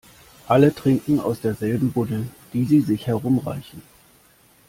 Alle trinken aus derselben Buddel, die sie sich herumreichen.